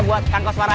jalan dulu ya